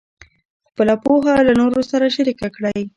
خپله پوهه له نورو سره شریکه کړئ.